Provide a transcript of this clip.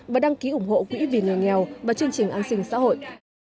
và đăng ký ủng hộ quỹ vì người nghèo và chương trình an sinh xã hội